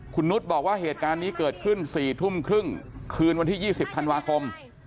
คุณนุษย์บอกว่าเหตุการณ์นี้เกิดขึ้น๔ทุ่มครึ่งคืนวันที่๒๐ธันวาคม